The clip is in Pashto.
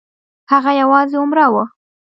هغه یوازې عمره وه.